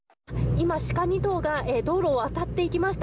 今、シカ２頭が道路を渡っていきました。